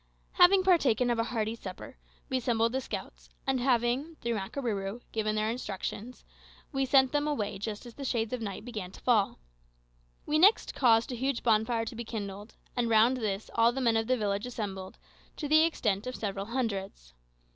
Having partaken of a hearty supper, we assembled the scouts, and having, through Makarooroo, given them their instructions, sent them away just as the shades of night began to fall. We next caused a huge bonfire to be kindled, and round this all the men of the village assembled, to the extent of several hundreds.